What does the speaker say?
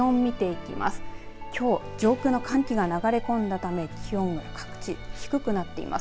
きょう、上空の寒気が流れ込んだため気温が各地低くなっています。